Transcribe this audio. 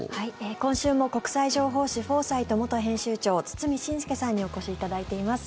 今週も、国際情報誌「フォーサイト」元編集長堤伸輔さんにお越しいただいています。